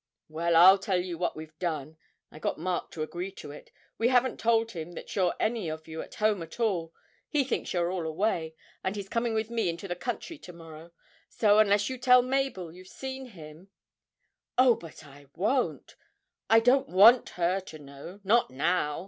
'Well, I tell you what we've done I got Mark to agree to it we haven't told him that you're any of you at home at all; he thinks you're all away, and he's coming with me into the country to morrow; so, unless you tell Mabel you've seen him ' 'Oh, but I won't; I don't want her to know not now!'